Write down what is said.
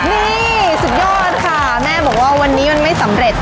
นี่สุดยอดค่ะแม่บอกว่าวันนี้มันไม่สำเร็จ